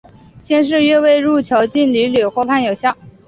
先是越位入球竟屡屡获判有效。